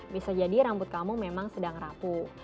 bisa jadi rambut kamu memang sedang rapuh